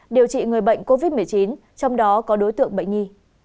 điều trị người bệnh covid một mươi chín trong đó có đối tượng bệnh nhi